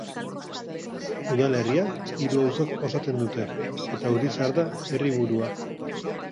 Udalerria hiru auzok osatzen dute, eta Urizar da herriburua.